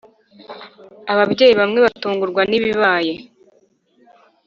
Ababyeyi bamwe batungurwa n’ ibibaye .